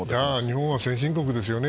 日本は先進国ですよね。